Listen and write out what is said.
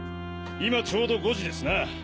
今ちょうど５時ですな。